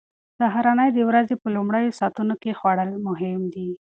سهارنۍ د ورځې په لومړیو ساعتونو کې خوړل مهم دي.